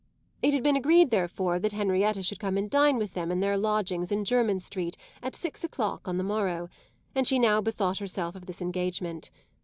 It had been agreed therefore that Henrietta should come and dine with them in their lodgings in Jermyn Street at six o'clock on the morrow, and she now bethought herself of this engagement.